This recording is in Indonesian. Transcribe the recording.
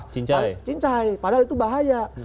cincai padahal itu bahaya